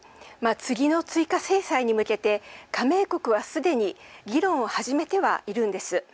次の追加制裁に向けて加盟国はすでに議論を始めてはいるんです。